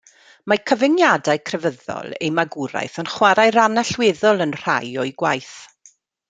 Mae cyfyngiadau crefyddol ei magwraeth yn chwarae rhan allweddol yn rhai o'i gwaith.